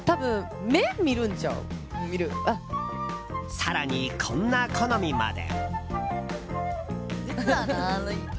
更に、こんな好みまで。